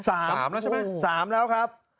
๓แล้วใช่ไหม๓แล้วครับ